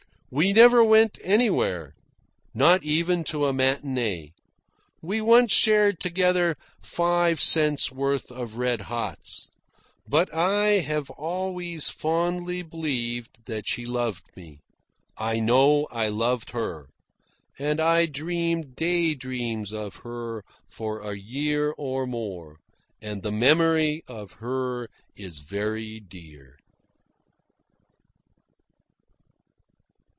We never went anywhere not even to a matinee. We once shared together five cents worth of red hots. But I have always fondly believed that she loved me. I know I loved her; and I dreamed day dreams of her for a year and more, and the memory of her is very dear.